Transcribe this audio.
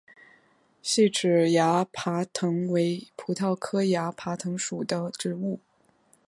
细齿崖爬藤为葡萄科崖爬藤属的植物。